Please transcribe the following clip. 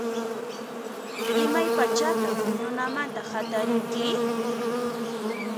Imaypachatan puñunamanta hatarinki?